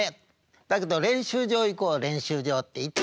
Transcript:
だけど練習場行こう練習場」って行ったら。